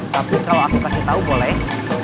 tapi kalau aku kasih tahu boleh